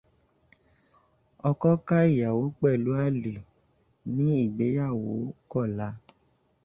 Ọkọ ká ìyàwó pẹ̀lú àlè ní ìgbéyàwó kọ̀la.